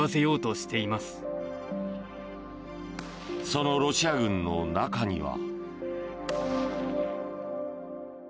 そのロシア軍の中には。